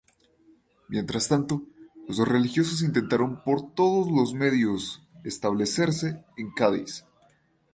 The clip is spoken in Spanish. Mientras tanto, los religiosos intentaron por todos los medios establecerse en Cádiz.